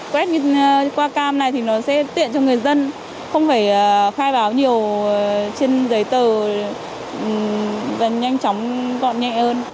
quét qua cam này thì nó sẽ tiện cho người dân không phải khai báo nhiều trên giấy tờ dần nhanh chóng gọn nhẹ hơn